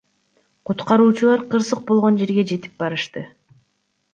Куткаруучулар кырсык болгон жерге жетип барышты.